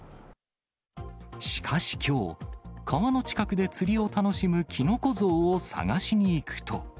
しかしきょう、川の近くで釣りを楽しむキノコ像を探しに行くと。